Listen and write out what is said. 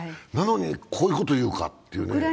なのに、こういうこと言うかっていうね。